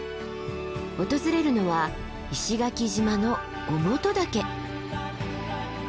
訪れるのは石垣島の於茂登岳。